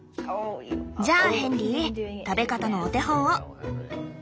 じゃあヘンリー食べ方のお手本を。